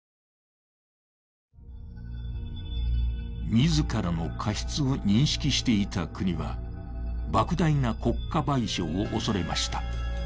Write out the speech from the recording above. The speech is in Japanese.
自らの過失を認識していた国はばく大な国家賠償を恐れました。